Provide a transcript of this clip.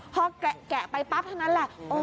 พอแกะไปปั๊บเท่านั้นแหละ